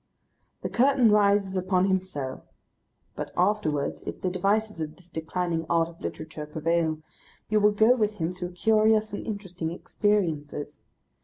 The curtain rises upon him so. But afterwards, if the devices of this declining art of literature prevail, you will go with him through curious and interesting experiences.